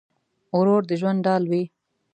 ورور د ژوند ډال وي.